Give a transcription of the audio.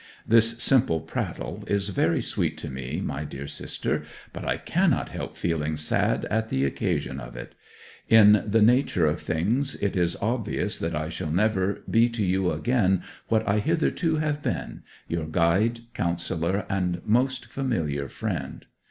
This simple prattle is very sweet to me, my dear sister, but I cannot help feeling sad at the occasion of it. In the nature of things it is obvious that I shall never be to you again what I hitherto have been: your guide, counsellor, and most familiar friend.